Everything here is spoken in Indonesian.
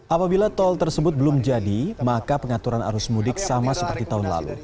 apabila tol tersebut belum jadi maka pengaturan arus mudik sama seperti tahun lalu